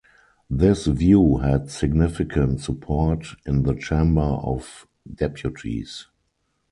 This view had significant support in the Chamber of Deputies.